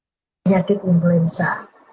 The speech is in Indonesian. setiap jangka nyakit influenza